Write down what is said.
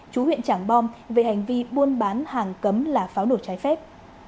chú huyện trảng bom về hành vi buôn bán hàng cấm là pháo nổ trái phép